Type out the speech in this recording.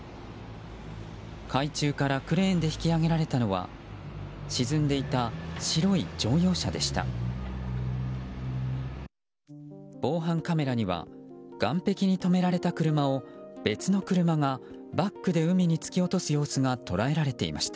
海中からクレーンで引き揚げられたのは沈んでいた白い乗用車でした。